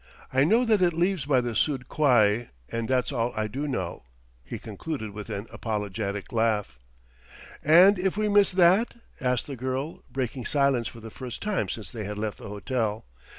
I know that it leaves by the Sud Quai, and that's all I do know," he concluded with an apologetic laugh. "And if we miss that?" asked the girl, breaking silence for the first time since they had left the hotel.